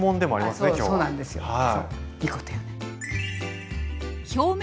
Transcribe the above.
いいこと言うね。